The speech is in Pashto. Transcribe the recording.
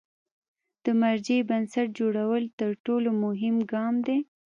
د مرجع بنسټ جوړول تر ټولو مهم ګام دی.